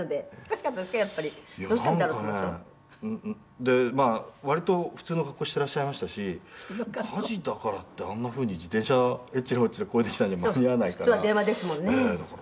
「で割と普通の格好をしていらっしゃいましたし火事だからってあんなふうに自転車えっちらほっちらこいできたんじゃ間に合わないから」